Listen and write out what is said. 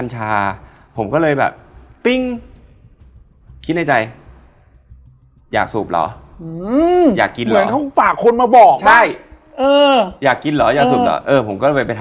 น่ากลัวเอาจริงน่ากลัว